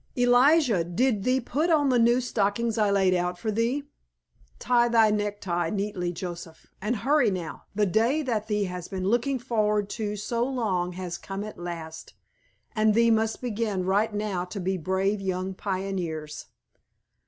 Elijah, did thee put on the new stockings I laid out for thee? Tie thy necktie neatly, Joseph. And hurry, now, the day that thee has been looking forward to so long has come at last, and thee must begin right now to be brave young pioneers."